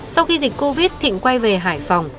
sau khi dịch covid thịnh quay về hải phòng